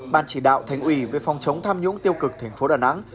ban chỉ đạo thành ủy về phòng chống tham nhũng tiêu cực thành phố đà nẵng